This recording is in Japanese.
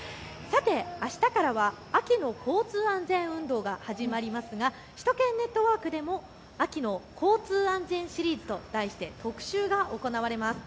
さて、あしたからは秋の交通安全運動が始まりますが首都圏ネットワークでも秋の交通安全シリーズと題して特集が行われます。